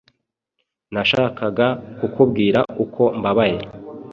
Nashakaga kukubwira uko mbabaye.